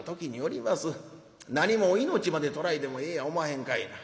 なにも命まで取らいでもええやおまへんかいな。